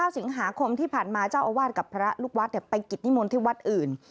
สิงหาคมที่ผ่านมาเจ้าอาวาสกับพระลูกวัดไปกิจนิมนต์ที่วัดอื่น